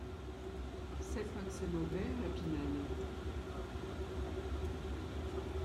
C’est pas que c’est mauvais, à la Pinède